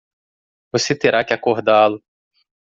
Você terá que acordá-lo.